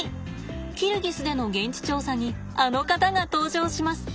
キルギスでの現地調査にあの方が登場します。